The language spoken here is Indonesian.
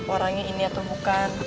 orangnya ini atau bukan